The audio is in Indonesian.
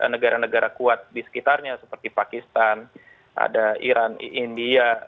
negara negara kuat di sekitarnya seperti pakistan ada iran india